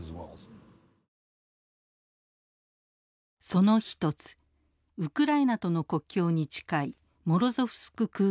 その一つウクライナとの国境に近いモロゾフスク空軍基地。